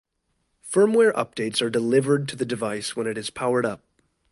Firmware updates are delivered to the device when it is powered up.